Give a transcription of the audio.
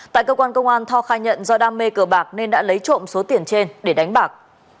tại cơ quan công an tho khai nhận do đam mê cờ bạc nên đã lấy trộm số tiền trên để đánh bạc